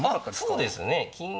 そうですね金は。